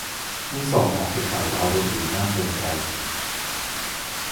นี่ส่งออกไปขายดาวดวงอื่นมากเกินไป